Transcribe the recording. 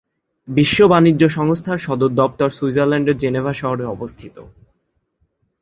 বিশ্ব বাণিজ্য সংস্থার সদর দপ্তর সুইজারল্যান্ডের জেনেভা শহরে অবস্থিত।